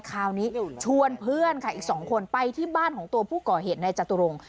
คราวนี้ชวนเพื่อนค่ะอีก๒คนไปที่บ้านของตัวผู้ก่อเหตุในจตุรงค